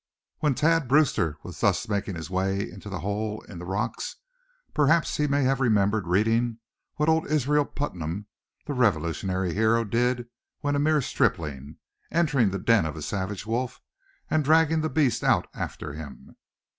When Thad Brewster was thus making his way into the hole in the rocks, perhaps he may have remembered reading what old Israel Putnam, the Revolutionary hero, did when a mere stripling, entering the den of a savage wolf, and dragging the beast out after him.